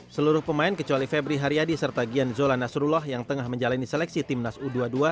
seluruh pemain kecuali febri haryadi serta gian zola nasrullah yang tengah menjalani seleksi timnas u dua puluh dua